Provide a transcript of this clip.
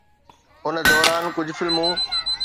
ان دوران ڪجهه فلمون